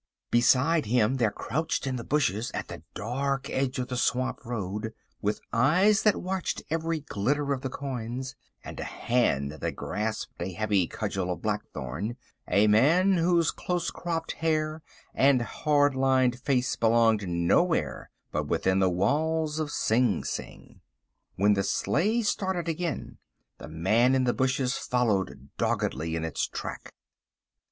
Beside him there crouched in the bushes at the dark edge of the swamp road, with eyes that watched every glitter of the coins, and a hand that grasped a heavy cudgel of blackthorn, a man whose close cropped hair and hard lined face belonged nowhere but within the walls of Sing Sing. When the sleigh started again the man in the bushes followed doggedly in its track.